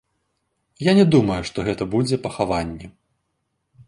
Я не думаю, што гэта будзе пахаванне.